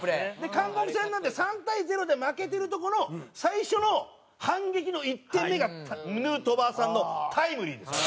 韓国戦なんて３対０で負けてるところ最初の反撃の１点目がヌートバーさんのタイムリーです。